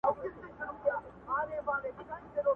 يعقوب عليه السلام د خپل زوی قميص وکتی.